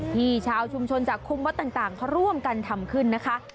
ที่ชาวชุมชนจากคุมวัดต่างเขาร่วมกันทำขึ้นนะคะ